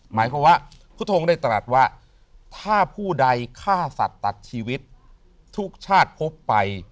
หมายความว่าพุทธงได้ตรัสว่าถ้าผู้ใดฆ่าสัตว์ตัดชีวิตทุกชาติพบไป